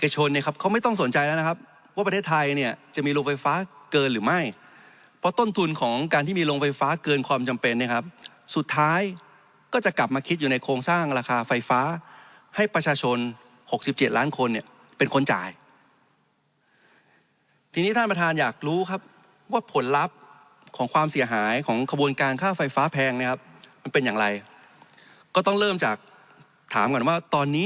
จะมีลงไฟฟ้าเกินหรือไม่เพราะต้นทุนของการที่มีลงไฟฟ้าเกินความจำเป็นนะครับสุดท้ายก็จะกลับมาคิดอยู่ในโครงสร้างราคาไฟฟ้าให้ประชาชน๖๗ล้านคนเนี่ยเป็นคนจ่ายทีนี้ท่านประธานอยากรู้ครับว่าผลลัพธ์ของความเสียหายของขบวนการค่าไฟฟ้าแพงนะครับเป็นอย่างไรก็ต้องเริ่มจากถามก่อนว่าต